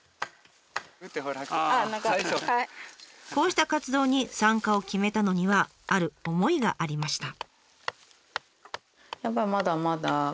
こうした活動に参加を決めたのにはある思いがありました。